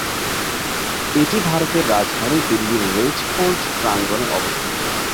এটি ভারতের রাজধানী দিল্লীর রেড ফোর্ট প্রাঙ্গণে অবস্থিত।